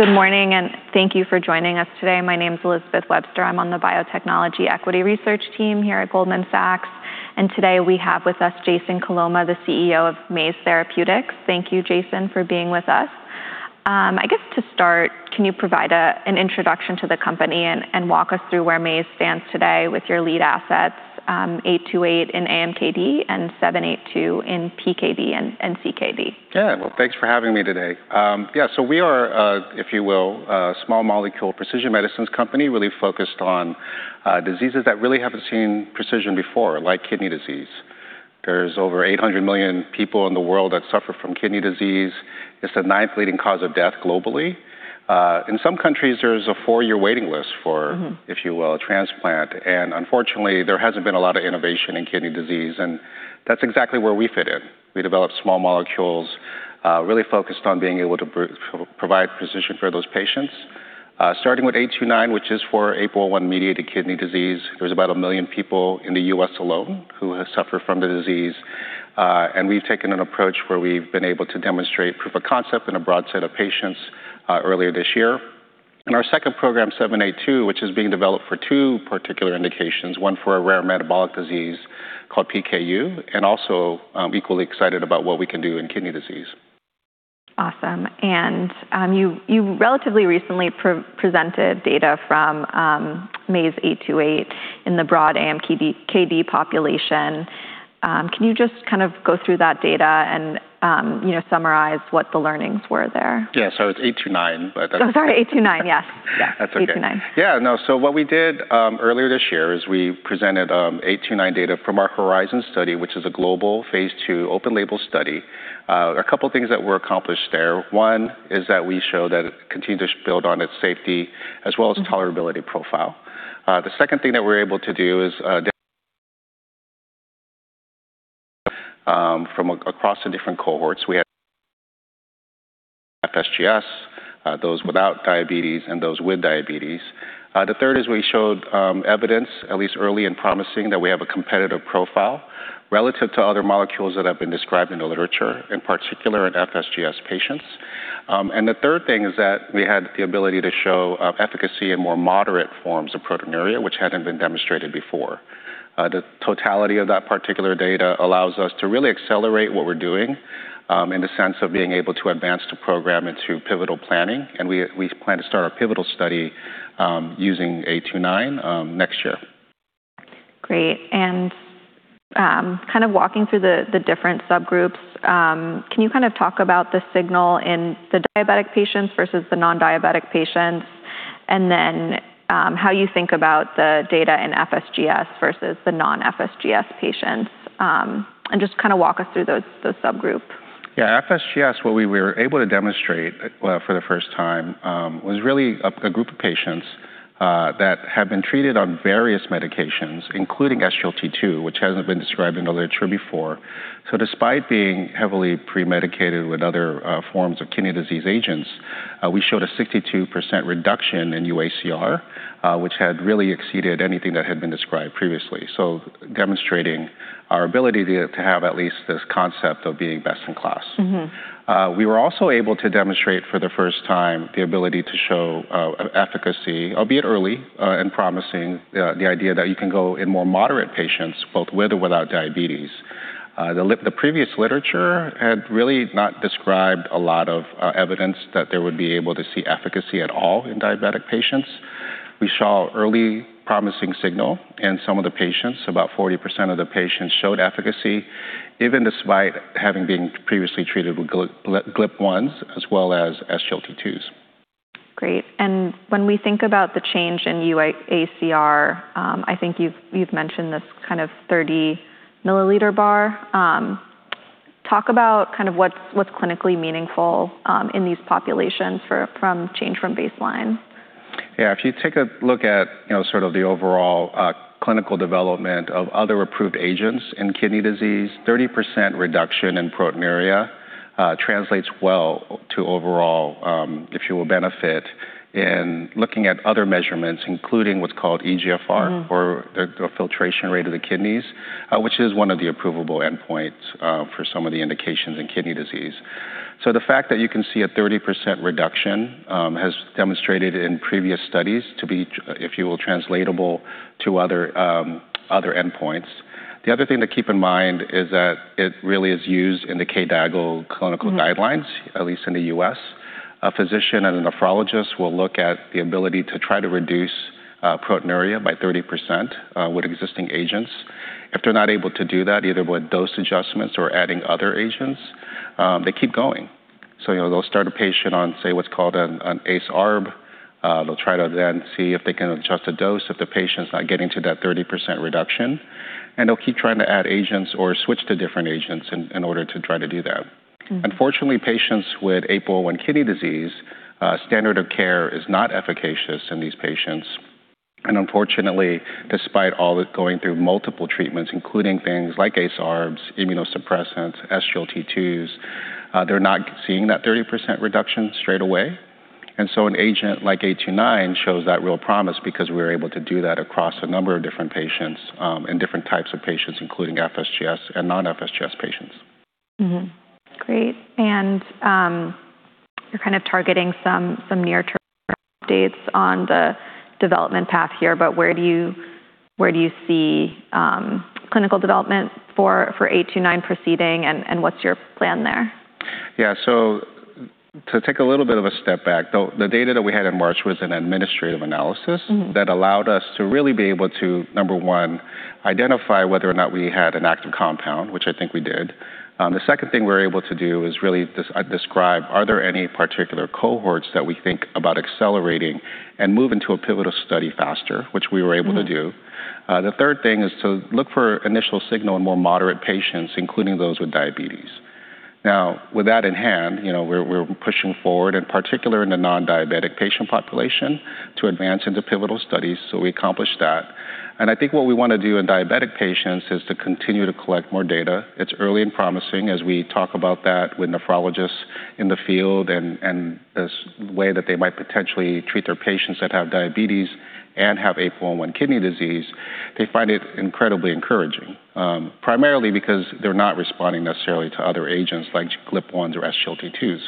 Good morning. Thank you for joining us today. My name's Elizabeth Webster. I'm on the Biotechnology Equity Research team here at Goldman Sachs. Today we have with us Jason Coloma, the CEO of Maze Therapeutics. Thank you, Jason, for being with us. I guess to start, can you provide an introduction to the company and walk us through where Maze stands today with your lead assets, MZE829 in AMKD and MZE782 in PKU and CKD? Yeah. Well, thanks for having me today. Yeah, we are, if you will, a small molecule precision medicines company really focused on diseases that really haven't seen precision before, like kidney disease. There's over 800 million people in the world that suffer from kidney disease. It's the ninth leading cause of death globally. In some countries, there's a four-year waiting list for- if you will, a transplant. Unfortunately, there hasn't been a lot of innovation in kidney disease, and that's exactly where we fit in. We develop small molecules, really focused on being able to provide precision for those patients. Starting with 829, which is for APOL1-mediated kidney disease. There's about a million people in the U.S. alone who suffer from the disease. Our second program, MZE782, which is being developed for two particular indications, one for a rare metabolic disease called PKU, and also equally excited about what we can do in kidney disease. Awesome. You relatively recently presented data from Maze MZE829 in the broad AMKD population. Can you just go through that data and summarize what the learnings were there? Yeah. It's 829. Oh, sorry, 829, yes. That's okay. 829. Yeah, no. What we did earlier this year is we presented 829 data from our HORIZON study, which is a global phase II open label study. A couple of things that were accomplished there. One is that we show that it continued to build on its safety as well as tolerability profile. The second thing that we're able to do is, from across the different cohorts, we had FSGS, those without diabetes and those with diabetes. The third is we showed evidence, at least early and promising, that we have a competitive profile relative to other molecules that have been described in the literature, in particular in FSGS patients. The third thing is that we had the ability to show efficacy in more moderate forms of proteinuria, which hadn't been demonstrated before. The totality of that particular data allows us to really accelerate what we're doing, in the sense of being able to advance the program into pivotal planning. We plan to start our pivotal study using MZE829 next year. Great. Walking through the different subgroups, can you talk about the signal in the diabetic patients versus the non-diabetic patients, and then how you think about the data in FSGS versus the non-FSGS patients, and just walk us through those subgroup? Yeah. FSGS, what we were able to demonstrate for the first time was really a group of patients that have been treated on various medications, including SGLT2, which hasn't been described in the literature before. Despite being heavily pre-medicated with other forms of kidney disease agents, we showed a 62% reduction in UACR, which had really exceeded anything that had been described previously. Demonstrating our ability to have at least this concept of being best in class. We were also able to demonstrate for the first time the ability to show efficacy, albeit early and promising, the idea that you can go in more moderate patients, both with or without diabetes. The previous literature had really not described a lot of evidence that they would be able to see efficacy at all in diabetic patients. We saw early promising signal in some of the patients. About 40% of the patients showed efficacy, even despite having been previously treated with GLP-1s as well as SGLT2s. Great. When we think about the change in UACR, I think you've mentioned this 30 mL bar. Talk about what's clinically meaningful in these populations from change from baseline. Yeah. If you take a look at the overall clinical development of other approved agents in kidney disease, 30% reduction in proteinuria translates well to overall, if you will, benefit in looking at other measurements, including what's called eGFR. This is the filtration rate of the kidneys, which is one of the approvable endpoints for some of the indications in kidney disease. The fact that you can see a 30% reduction has demonstrated in previous studies to be, if you will, translatable to other endpoints. The other thing to keep in mind is that it really is used in the KDIGO clinical guidelines, at least in the U.S. A physician and a nephrologist will look at the ability to try to reduce proteinuria by 30% with existing agents. If they're not able to do that, either with dose adjustments or adding other agents, they keep going. They'll start a patient on, say, what's called an ACE/ARB. They'll try to then see if they can adjust the dose if the patient's not getting to that 30% reduction. They'll keep trying to add agents or switch to different agents in order to try to do that. Unfortunately, patients with APOL1 kidney disease, standard of care is not efficacious in these patients. Unfortunately, despite all the going through multiple treatments, including things like ACE/ARBs, immunosuppressants, SGLT2s, they're not seeing that 30% reduction straight away. An agent like 829 shows that real promise because we're able to do that across a number of different patients, and different types of patients, including FSGS and non-FSGS patients. Mm-hmm. Great. You're kind of targeting some near-term updates on the development path here, where do you see clinical development for 829 proceeding, and what's your plan there? Yeah. To take a little bit of a step back, the data that we had in March was an administrative analysis- that allowed us to really be able to, number one, identify whether or not we had an active compound, which I think we did. The second thing we were able to do is really describe, are there any particular cohorts that we think about accelerating and move into a pivotal study faster, which we were able to do. The third thing is to look for initial signal in more moderate patients, including those with diabetes. With that in hand, we're pushing forward, in particular in the non-diabetic patient population, to advance into pivotal studies. We accomplished that. I think what we want to do in diabetic patients is to continue to collect more data. It's early and promising as we talk about that with nephrologists in the field, and the way that they might potentially treat their patients that have diabetes and have APOL1 kidney disease. They find it incredibly encouraging. Primarily because they're not responding necessarily to other agents like GLP-1s or SGLT2s.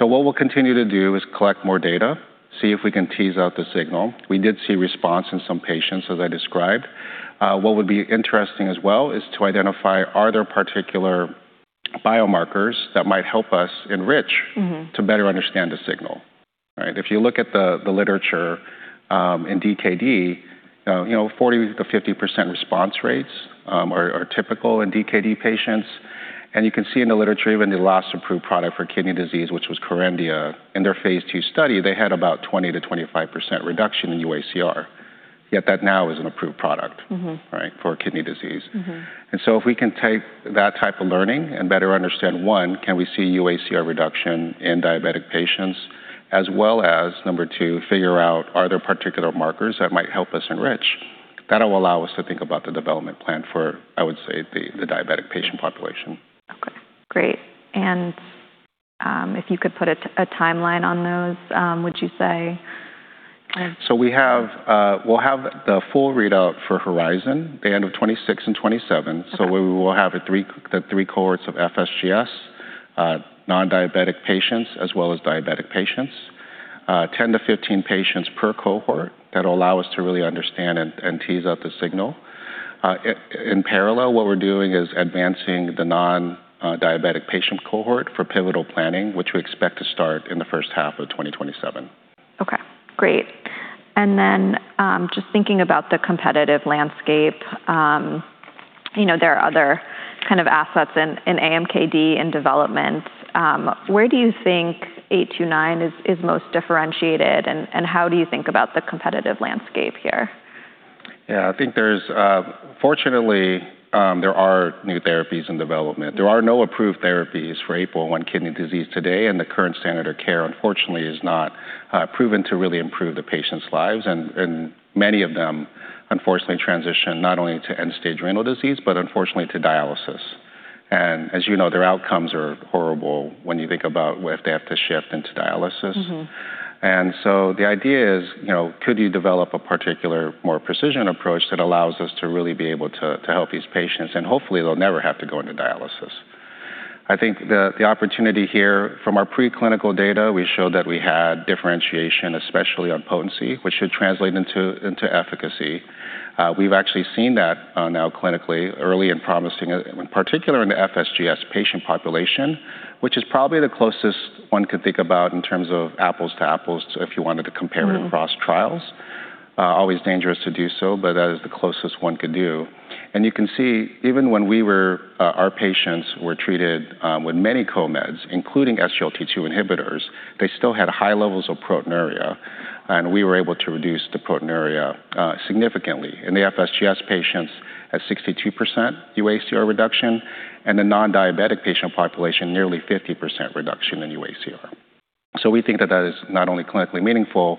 What we'll continue to do is collect more data, see if we can tease out the signal. We did see response in some patients, as I described. What would be interesting as well is to identify, are there particular biomarkers that might help us. To better understand the signal, right? If you look at the literature, in DKD, 40%-50% response rates are typical in DKD patients. You can see in the literature, even the last approved product for kidney disease, which was Kerendia, in their phase II study, they had about 20%-25% reduction in UACR. That now is an approved product. Right, for kidney disease. If we can take that type of learning and better understand, one, can we see UACR reduction in diabetic patients as well as, number two, figure out are there particular markers that might help us enrich. That'll allow us to think about the development plan for, I would say, the diabetic patient population. Okay, great. If you could put a timeline on those, would you say? We'll have the full readout for HORIZON the end of 2026 and 2027. Okay. We will have the three cohorts of FSGS, non-diabetic patients as well as diabetic patients. 10 to 15 patients per cohort. That'll allow us to really understand and tease out the signal. In parallel, what we're doing is advancing the non-diabetic patient cohort for pivotal planning, which we expect to start in the first half of 2027. Okay, great. Just thinking about the competitive landscape, there are other kind of assets in AMKD in development. Where do you think MZE829 is most differentiated, and how do you think about the competitive landscape here? Yeah. Fortunately, there are new therapies in development. There are no approved therapies for APOL1 kidney disease today, the current standard of care, unfortunately, is not proven to really improve the patients' lives. Many of them unfortunately transition not only to end-stage renal disease, but unfortunately to dialysis. As you know, their outcomes are horrible when you think about if they have to shift into dialysis. The idea is could you develop a particular, more precision approach that allows us to really be able to help these patients, and hopefully they'll never have to go into dialysis. I think the opportunity here from our pre-clinical data, we showed that we had differentiation, especially on potency, which should translate into efficacy. We've actually seen that now clinically early and promising, in particular in the FSGS patient population, which is probably the closest one could think about in terms of apples to apples if you wanted to compare across trials. Always dangerous to do so, that is the closest one could do. You can see even when our patients were treated with many co-meds, including SGLT2 inhibitors, they still had high levels of proteinuria, and we were able to reduce the proteinuria significantly in the FSGS patients at 62% UACR reduction, and the non-diabetic patient population, nearly 50% reduction in UACR. We think that that is not only clinically meaningful,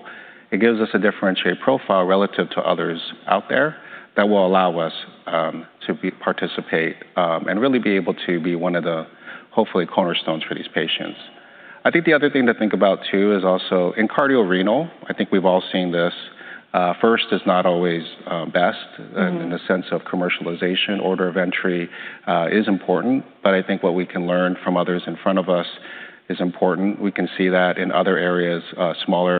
it gives us a differentiated profile relative to others out there that will allow us to participate and really be able to be one of the, hopefully, cornerstones for these patients. I think the other thing to think about too is also in cardio-renal, I think we've all seen this, first is not always best in the sense of commercialization. Order of entry is important. I think what we can learn from others in front of us is important. We can see that in other areas, smaller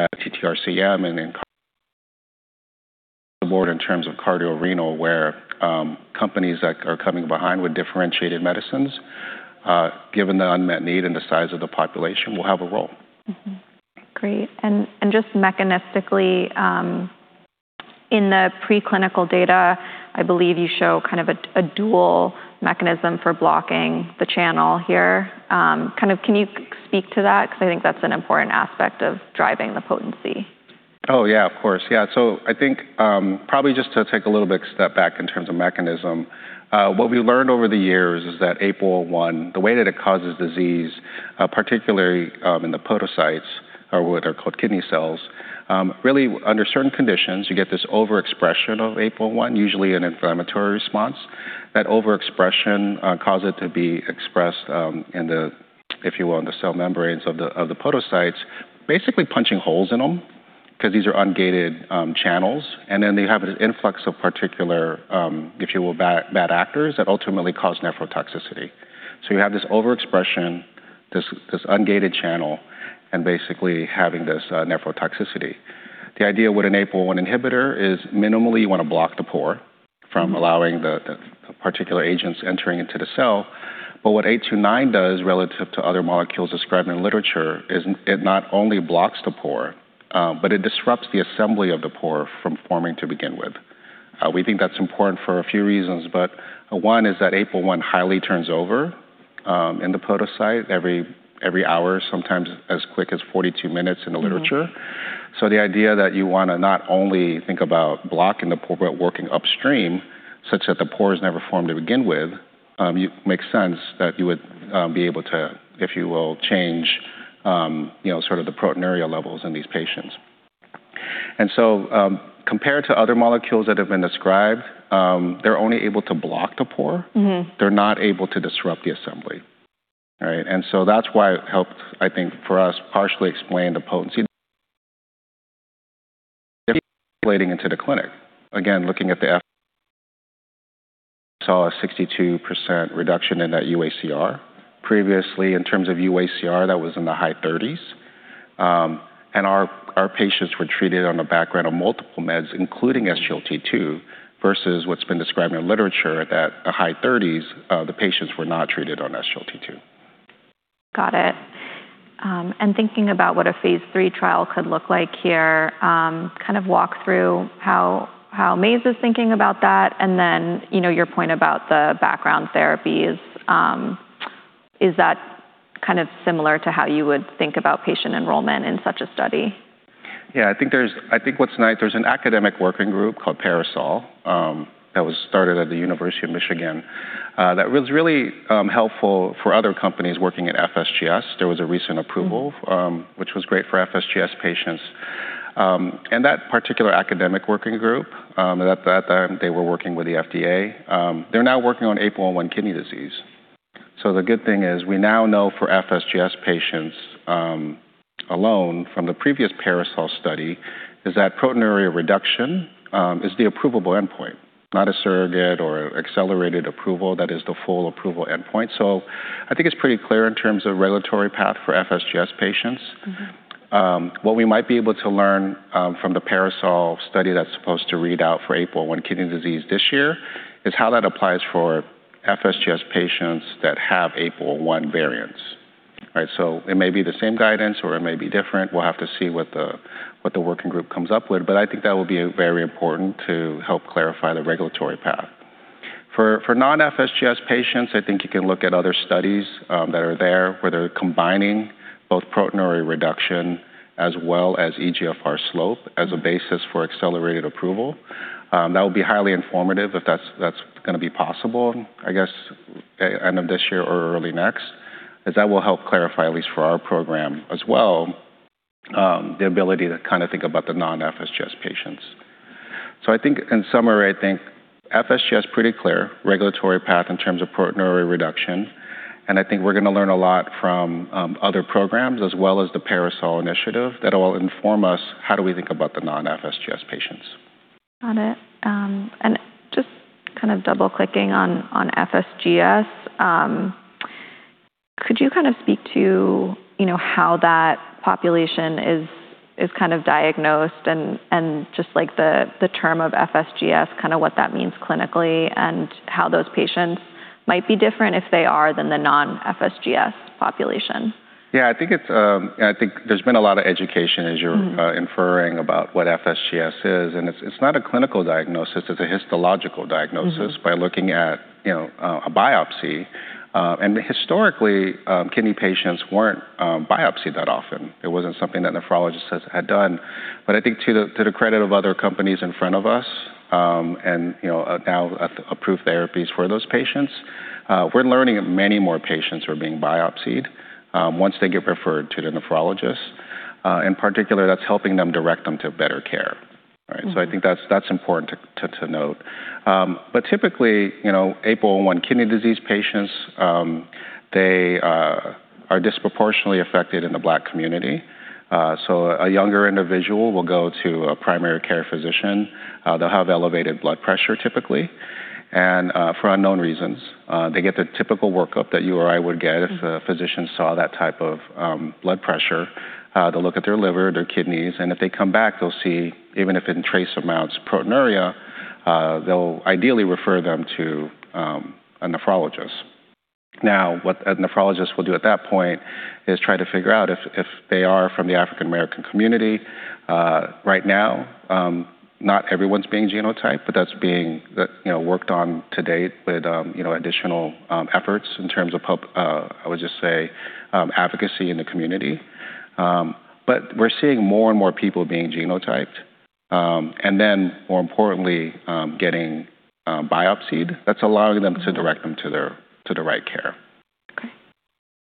ATTR-CM and in more in terms of cardio-renal, where companies that are coming behind with differentiated medicines, given the unmet need and the size of the population, will have a role. Mm-hmm. Great. Just mechanistically, in the pre-clinical data, I believe you show kind of a dual mechanism for blocking the channel here. Can you speak to that? I think that's an important aspect of driving the potency. Oh, yeah. Of course. Yeah. I think probably just to take a little bit step back in terms of mechanism, what we learned over the years is that APOL1, the way that it causes disease, particularly in the podocytes or what are called kidney cells, really under certain conditions, you get this overexpression of APOL1, usually an inflammatory response. That overexpression cause it to be expressed in the, if you will, in the cell membranes of the podocytes, basically punching holes in them. These are ungated channels, and then you have an influx of particular, if you will, bad actors that ultimately cause nephrotoxicity. You have this overexpression, this ungated channel, and basically having this nephrotoxicity. The idea with an APOL1 inhibitor is minimally you want to block the pore from allowing the particular agents entering into the cell. What 829 does relative to other molecules described in literature is it not only blocks the pore, but it disrupts the assembly of the pore from forming to begin with. We think that's important for a few reasons, but one is that APOL1 highly turns over in the podocyte every hour, sometimes as quick as 42 minutes in the literature. The idea that you want to not only think about blocking the pore but working upstream such that the pore is never formed to begin with, makes sense that you would be able to, if you will, change the proteinuria levels in these patients. Compared to other molecules that have been described, they're only able to block the pore. They're not able to disrupt the assembly. All right. That's why it helped, I think, for us, partially explain the potency. If you're translating into the clinic, again, looking at the FSGS, saw a 62% reduction in that UACR. Previously, in terms of UACR, that was in the high 30s. Our patients were treated on a background of multiple meds, including SGLT2, versus what's been described in the literature that the high 30s, the patients were not treated on SGLT2. Got it. Thinking about what a phase III trial could look like here, walk through how Maze is thinking about that, and then your point about the background therapies, is that similar to how you would think about patient enrollment in such a study? Yeah, I think what's nice, there's an academic working group called Parasol that was started at the University of Michigan, that was really helpful for other companies working at FSGS. There was a recent approval. which was great for FSGS patients. That particular academic working group, at that time, they were working with the FDA. They're now working on APOL1 kidney disease. The good thing is we now know for FSGS patients alone from the previous Parasol study is that proteinuria reduction is the approvable endpoint, not a surrogate or accelerated approval. That is the full approval endpoint. I think it's pretty clear in terms of regulatory path for FSGS patients. What we might be able to learn from the Parasol study that's supposed to read out for APOL1 kidney disease this year is how that applies for FSGS patients that have APOL1 variants. Right? It may be the same guidance, or it may be different. We'll have to see what the working group comes up with. I think that will be very important to help clarify the regulatory path. For non-FSGS patients, I think you can look at other studies that are there, where they're combining both proteinuria reduction as well as eGFR slope as a basis for accelerated approval. That would be highly informative if that's going to be possible, I guess end of this year or early next, as that will help clarify, at least for our program as well, the ability to think about the non-FSGS patients. I think in summary, I think FSGS, pretty clear regulatory path in terms of proteinuria reduction, and I think we're going to learn a lot from other programs as well as the Parasol initiative that will inform us how do we think about the non-FSGS patients. Got it. Just double-clicking on FSGS, could you speak to how that population is diagnosed and just the term of FSGS, what that means clinically, and how those patients might be different, if they are, than the non-FSGS population? Yeah, I think there's been a lot of education, as you're inferring about what FSGS is, it's not a clinical diagnosis, it's a histological diagnosis by looking at a biopsy. Historically, kidney patients weren't biopsied that often. It wasn't something that nephrologists had done. I think to the credit of other companies in front of us, and now approved therapies for those patients, we're learning that many more patients are being biopsied once they get referred to the nephrologist. In particular, that's helping them direct them to better care. Right? I think that's important to note. Typically, APOL1 kidney disease patients, they are disproportionately affected in the Black community. A younger individual will go to a primary care physician. They'll have elevated blood pressure, typically, and for unknown reasons. They get the typical workup that you or I would get if a physician saw that type of blood pressure. They'll look at their liver, their kidneys, and if they come back, they'll see, even if in trace amounts, proteinuria. They'll ideally refer them to a nephrologist. What a nephrologist will do at that point is try to figure out if they are from the African American community. Right now, not everyone's being genotyped, but that's being worked on to date with additional efforts in terms of, I would just say, advocacy in the community. We're seeing more and more people being genotyped, and then more importantly, getting biopsied. That's allowing them to direct them to the right care. Okay,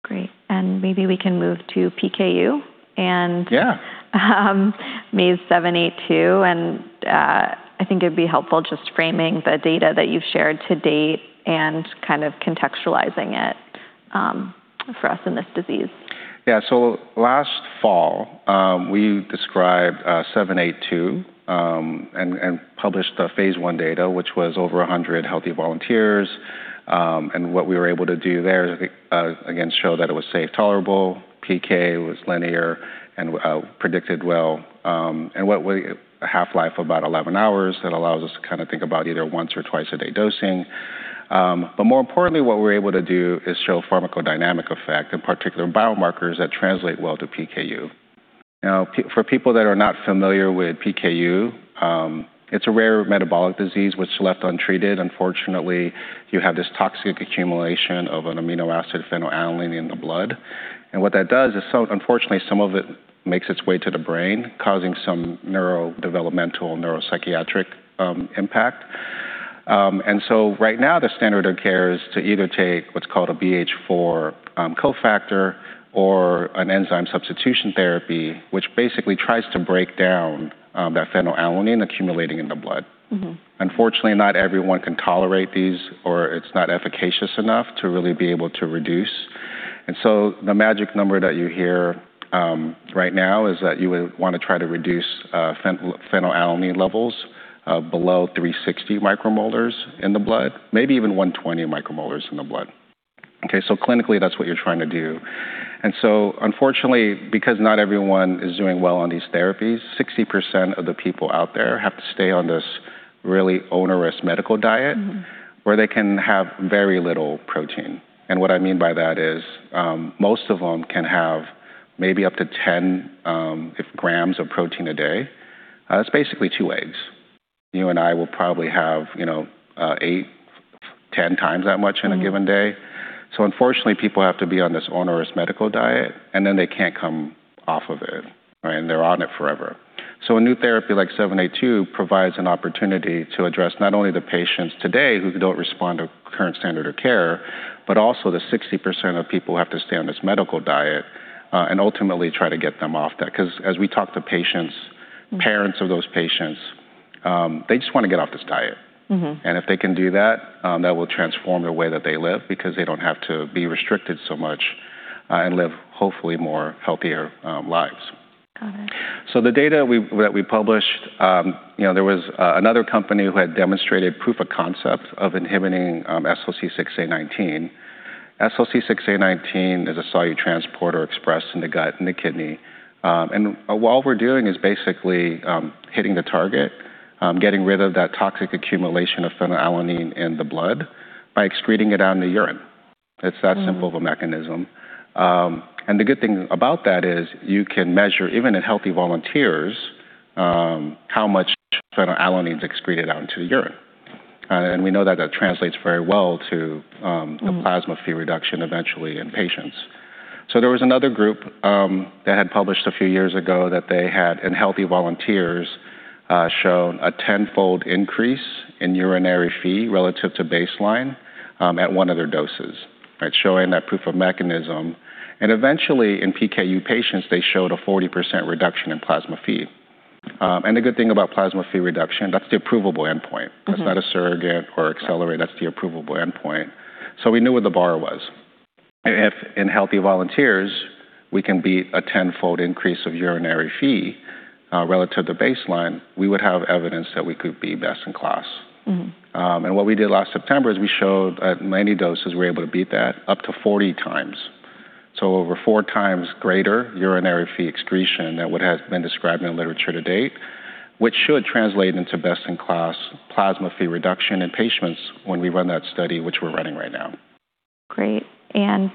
great. Maybe we can move to PKU. Yeah MZE782, I think it'd be helpful just framing the data that you've shared to date and contextualizing it for us in this disease. Yeah. Last fall, we described MZE782 and published the phase I data, which was over 100 healthy volunteers. What we were able to do there, again, show that it was safe, tolerable, PK was linear and predicted well, and a half-life of about 11 hours that allows us to think about either once or twice a day dosing. More importantly, what we're able to do is show pharmacodynamic effect, in particular biomarkers that translate well to PKU. For people that are not familiar with PKU, it's a rare metabolic disease which left untreated, unfortunately, you have this toxic accumulation of an amino acid phenylalanine in the blood. What that does is, unfortunately, some of it makes its way to the brain, causing some neurodevelopmental neuropsychiatric impact. Right now, the standard of care is to either take what's called a BH4 cofactor or an enzyme substitution therapy, which basically tries to break down that phenylalanine accumulating in the blood. Unfortunately, not everyone can tolerate these, or it's not efficacious enough to really be able to reduce. The magic number that you hear right now is that you would want to try to reduce phenylalanine levels below 360 micromolars in the blood, maybe even 120 micromolars in the blood. Okay, clinically, that's what you're trying to do. Unfortunately, because not everyone is doing well on these therapies, 60% of the people out there have to stay on this really onerous medical diet- where they can have very little protein. What I mean by that is, most of them can have maybe up to 10 grams of protein a day. That's basically two eggs. You and I will probably have eight, 10 times that much in a given day. Unfortunately, people have to be on this onerous medical diet, and then they can't come off of it, and they're on it forever. A new therapy like MZE782 provides an opportunity to address not only the patients today who don't respond to current standard of care, but also the 60% of people who have to stay on this medical diet and ultimately try to get them off that. As we talk to patients, parents of those patients, they just want to get off this diet. If they can do that will transform the way that they live, because they don't have to be restricted so much, and live hopefully more healthier lives. Got it. The data that we published, there was another company who had demonstrated proof of concept of inhibiting SLC6A19. SLC6A19 is a solute transporter expressed in the gut and the kidney. What we're doing is basically hitting the target, getting rid of that toxic accumulation of phenylalanine in the blood by excreting it out in the urine. It's that simple of a mechanism. The good thing about that is you can measure, even in healthy volunteers, how much phenylalanine is excreted out into the urine. We know that that translates very well to the plasma Phe reduction eventually in patients. There was another group that had published a few years ago that they had, in healthy volunteers, shown a tenfold increase in urinary Phe relative to baseline at one of their doses. Right. Showing that proof of mechanism, eventually in PKU patients, they showed a 40% reduction in plasma Phe. The good thing about plasma Phe reduction, that's the approvable endpoint. That's not a surrogate or accelerate. That's the approvable endpoint. We knew what the bar was. If in healthy volunteers we can beat a tenfold increase of urinary Phe, relative to baseline, we would have evidence that we could be best in class. What we did last September is we showed at many doses we're able to beat that up to 40 times. Over four times greater urinary Phe excretion than what has been described in the literature to date, which should translate into best-in-class plasma Phe reduction in patients when we run that study, which we're running right now. Great. In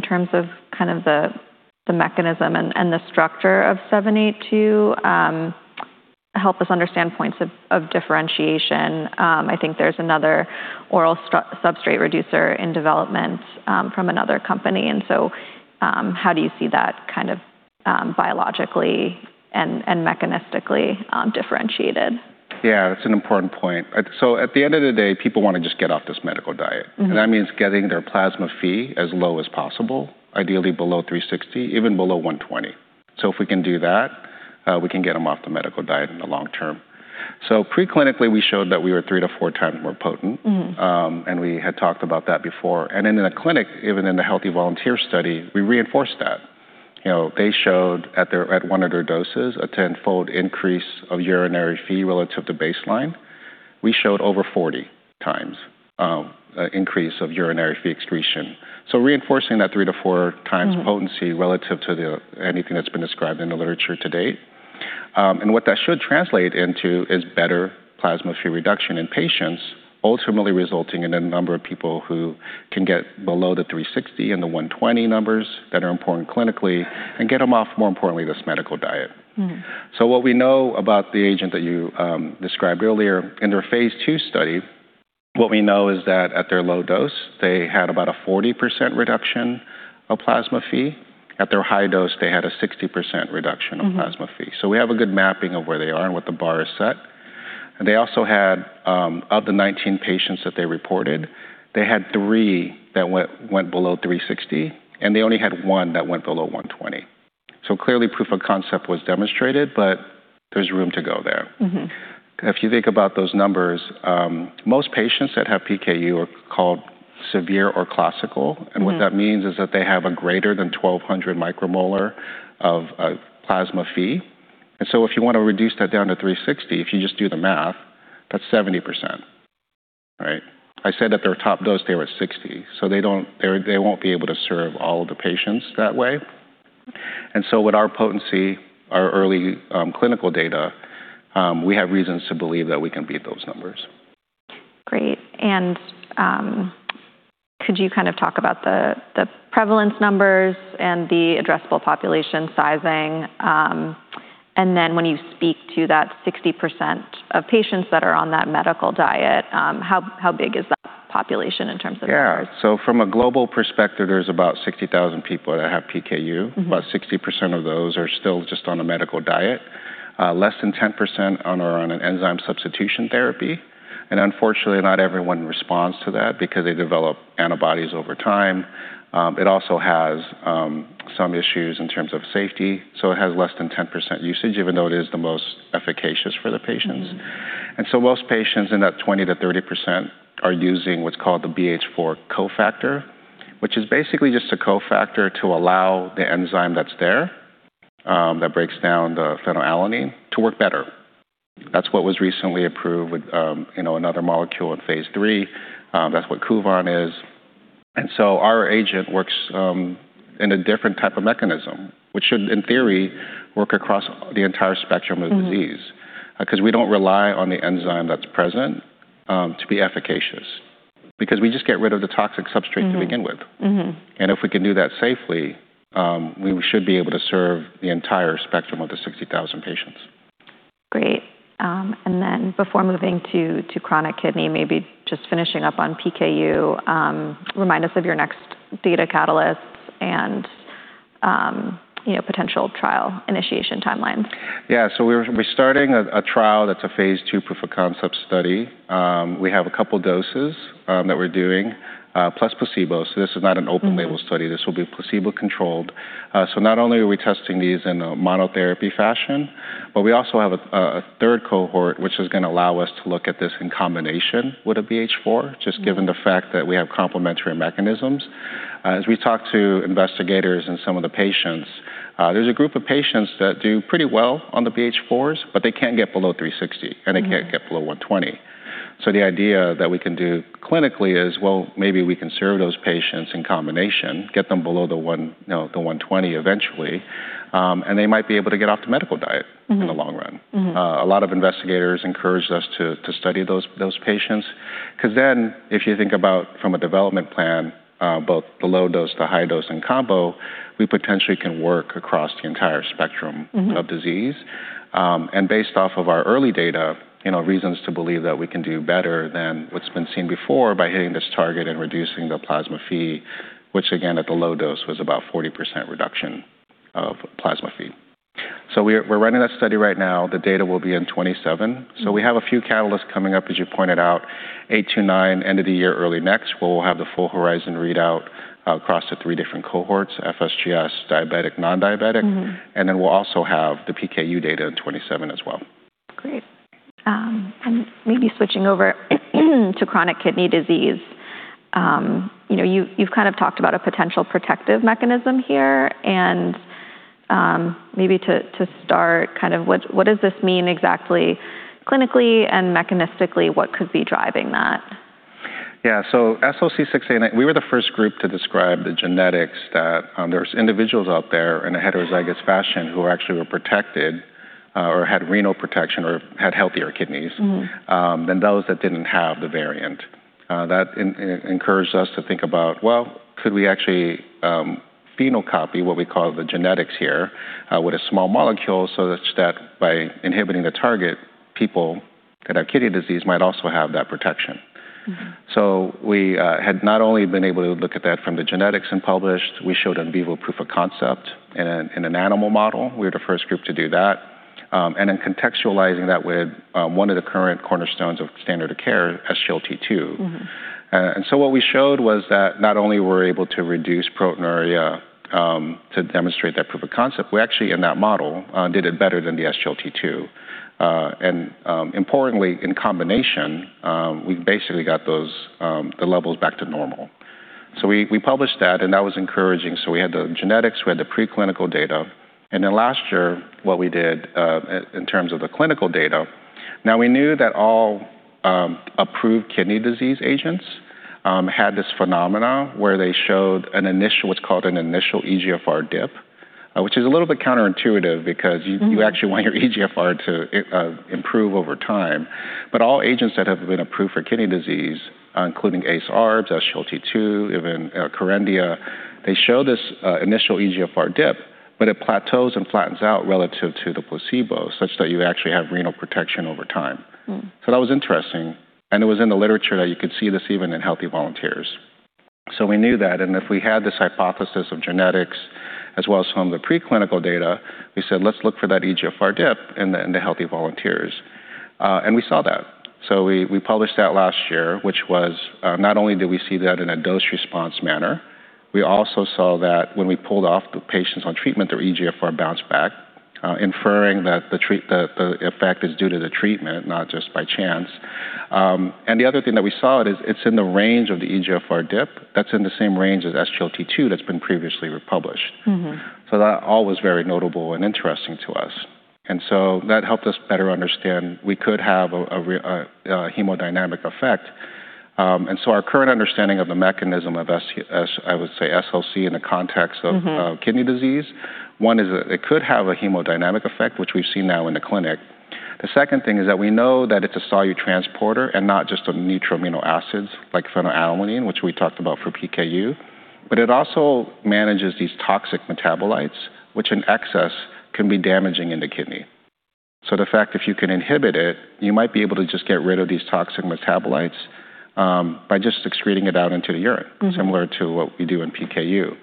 terms of the mechanism and the structure of MZE782, help us understand points of differentiation. I think there's another oral substrate reducer in development from another company, and so, how do you see that kind of biologically and mechanistically differentiated? Yeah, that's an important point. At the end of the day, people want to just get off this medical diet. That means getting their plasma Phe as low as possible, ideally below 360, even below 120. If we can do that, we can get them off the medical diet in the long term. Pre-clinically, we showed that we were three to four times more potent. We had talked about that before. Then in the clinic, even in the healthy volunteer study, we reinforced that. They showed at one of their doses a tenfold increase of urinary Phe relative to baseline. We showed over 40 times increase of urinary Phe excretion. Reinforcing that three to four times potency relative to anything that's been described in the literature to date. What that should translate into is better plasma Phe reduction in patients, ultimately resulting in a number of people who can get below the 360 and the 120 numbers that are important clinically, and get them off, more importantly, this medical diet. What we know about the agent that you described earlier in their phase II study, what we know is that at their low dose, they had about a 40% reduction of plasma Phe. At their high dose, they had a 60% reduction of plasma Phe. We have a good mapping of where they are and what the bar is set. They also had, of the 19 patients that they reported, they had three that went below 360, and they only had one that went below 120. Clearly proof of concept was demonstrated, but there's room to go there. If you think about those numbers, most patients that have PKU are called severe or classical. What that means is that they have a greater than 1,200 micromolar of plasma Phe. If you want to reduce that down to 360, if you just do the math, that's 70%. I said at their top dose they were 60, so they won't be able to serve all of the patients that way. With our potency, our early clinical data, we have reasons to believe that we can beat those numbers. Great, could you talk about the prevalence numbers and the addressable population sizing? When you speak to that 60% of patients that are on that medical diet, how big is that population in terms of numbers? Yeah. From a global perspective, there's about 60,000 people that have PKU. About 60% of those are still just on a medical diet. Less than 10% are on an enzyme substitution therapy. Unfortunately, not everyone responds to that because they develop antibodies over time. It also has some issues in terms of safety, so it has less than 10% usage even though it is the most efficacious for the patients. Most patients in that 20%-30% are using what's called the BH4 co-factor, which is basically just a co-factor to allow the enzyme that's there, that breaks down the phenylalanine, to work better. That's what was recently approved with another molecule in phase III. That's what Kuvan is. Our agent works in a different type of mechanism, which should, in theory, work across the entire spectrum of disease- because we don't rely on the enzyme that's present to be efficacious, because we just get rid of the toxic substrate to begin with. If we can do that safely, we should be able to serve the entire spectrum of the 60,000 patients. Great. Before moving to chronic kidney, maybe just finishing up on PKU, remind us of your next data catalysts and potential trial initiation timelines. We're starting a trial that's a phase II proof of concept study. We have a couple doses that we're doing, plus placebo. This is not an open label study. This will be placebo controlled. Not only are we testing these in a monotherapy fashion, but we also have a third cohort, which is going to allow us to look at this in combination with a BH4, just given the fact that we have complementary mechanisms. As we talk to investigators and some of the patients, there's a group of patients that do pretty well on the BH4s, but they can't get below 360, and they can't get below 120. The idea that we can do clinically is, well, maybe we can serve those patients in combination, get them below the 120 eventually, and they might be able to get off the medical diet in the long run. A lot of investigators encouraged us to study those patients, because then if you think about from a development plan, both the low dose, the high dose, and combo, we potentially can work across the entire spectrum of disease. Based off of our early data, reasons to believe that we can do better than what's been seen before by hitting this target and reducing the plasma Phe, which again, at the low dose was about 40% reduction of plasma Phe. We're running that study right now. The data will be in 2027. We have a few catalysts coming up, as you pointed out, 829 end of the year, early next, where we'll have the full HORIZON readout across the three different cohorts, FSGS, diabetic, non-diabetic. Then we'll also have the PKU data in 2027 as well. Great. Maybe switching over to chronic kidney disease. You've talked about a potential protective mechanism here, and maybe to start, what does this mean exactly clinically, and mechanistically, what could be driving that? Yeah. SLC6A19, we were the first group to describe the genetics that there's individuals out there in a heterozygous fashion who actually were protected or had renal protection or had healthier kidneys. Than those that didn't have the variant. That encouraged us to think about, well, could we actually phenocopy what we call the genetics here, with a small molecule such that by inhibiting the target, people that have kidney disease might also have that protection. We had not only been able to look at that from the genetics and published, we showed in vivo proof of concept in an animal model. We were the first group to do that. Contextualizing that with one of the current cornerstones of standard of care, SGLT2. What we showed was that not only were we able to reduce proteinuria, to demonstrate that proof of concept, we actually, in that model, did it better than the SGLT2. Importantly in combination, we basically got the levels back to normal. We published that, and that was encouraging. We had the genetics; we had the preclinical data. Last year, what we did, in terms of the clinical data, now we knew that all approved kidney disease agents had this phenomenon where they showed what's called an initial eGFR dip, which is a little bit counterintuitive because you actually want your eGFR to improve over time. All agents that have been approved for kidney disease, including ACE-ARBs, SGLT2, even Kerendia, they show this initial eGFR dip, but it plateaus and flattens out relative to the placebo, such that you actually have renal protection over time. That was interesting, and it was in the literature that you could see this even in healthy volunteers. We knew that, and if we had this hypothesis of genetics as well as some of the preclinical data, we said let's look for that eGFR dip in the healthy volunteers. We saw that. We published that last year, which was not only did we see that in a dose-response manner, we also saw that when we pulled off the patients on treatment, their eGFR bounced back, inferring that the effect is due to the treatment, not just by chance. The other thing that we saw is it's in the range of the eGFR dip that's in the same range as SGLT2 that's been previously published. That all was very notable and interesting to us. That helped us better understand we could have a hemodynamic effect. Our current understanding of the mechanism of, I would say, SLC in the context of- kidney disease, one is that it could have a hemodynamic effect, which we've seen now in the clinic. The second thing is that we know that it's a solute transporter and not just of neutral amino acids like phenylalanine, which we talked about for PKU, but it also manages these toxic metabolites, which in excess can be damaging in the kidney. The fact if you can inhibit it, you might be able to just get rid of these toxic metabolites by just excreting it out into the urine- similar to what we do in PKU.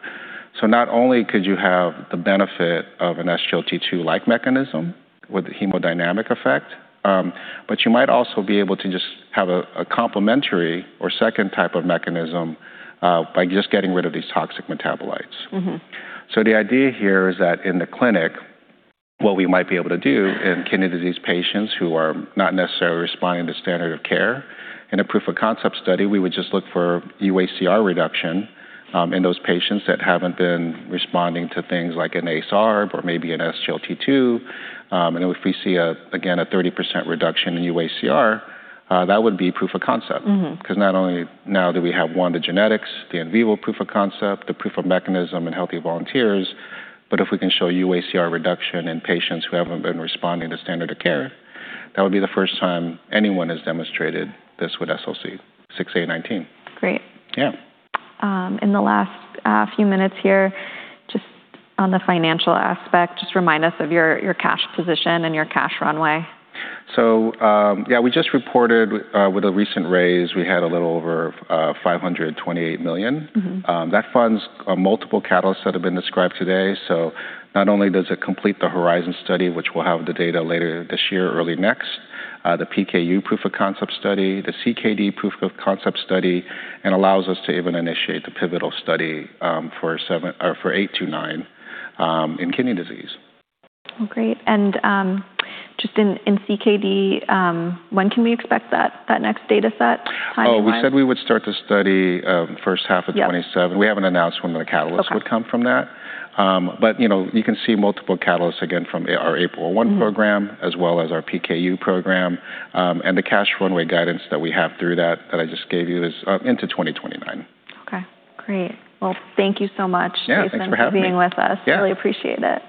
Not only could you have the benefit of an SGLT2-like mechanism with the hemodynamic effect, but you might also be able to just have a complementary or second type of mechanism by just getting rid of these toxic metabolites. The idea here is that in the clinic, what we might be able to do in kidney disease patients who are not necessarily responding to standard of care, in a proof-of-concept study, we would just look for UACR reduction in those patients that haven't been responding to things like an ARB or maybe an SGLT2. If we see, again, a 30% reduction in UACR, that would be proof of concept. Not only now do we have, one, the genetics, the in vivo proof of concept, the proof of mechanism in healthy volunteers, but if we can show UACR reduction in patients who haven't been responding to standard of care, that would be the first time anyone has demonstrated this with SLC6A19. Great. Yeah. In the last few minutes here, just on the financial aspect, just remind us of your cash position and your cash runway. Yeah, we just reported with a recent raise, we had a little over $528 million. That funds multiple catalysts that have been described today. Not only does it complete the HORIZON study, which we'll have the data later this year or early next, the PKU proof of concept study, the CKD proof of concept study, and allows us to even initiate the pivotal study for 829 in kidney disease. Well, great. Just in CKD, when can we expect that next data set timeline? We said we would start the study first half of 2027. Yep. We haven't announced when the catalysts- Okay Would come from that. You can see multiple catalysts, again, from our APOL1 program, as well as our PKU program. The cash runway guidance that we have through that I just gave you, is into 2029. Okay, great. Well, thank you so much- Yeah, thanks for having me Jason, for being with us. Yeah. Really appreciate it.